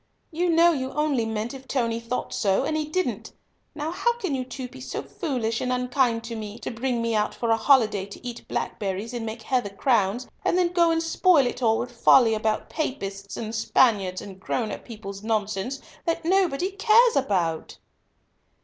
"You know you only meant if Tony thought so, and he didn't. Now how can you two be so foolish and unkind to me, to bring me out for a holiday to eat blackberries and make heather crowns, and then go and spoil it all with folly about Papists, and Spaniards, and grown up people's nonsense that nobody cares about!"